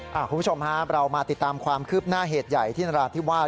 คุณผู้ชมครับเรามาติดตามความคืบหน้าเหตุใหญ่ที่นราธิวาส